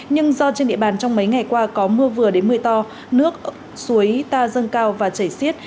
nhưng do trên địa bàn trong mấy ngày qua có mưa vừa đến mưa to nước suối ta dâng cao và chảy xiết